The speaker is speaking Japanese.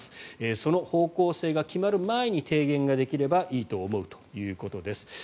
その方向性が決まる前に提言ができればいいと思うということです。